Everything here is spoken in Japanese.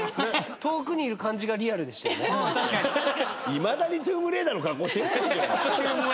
いまだに『トゥームレイダー』の格好してないでしょ。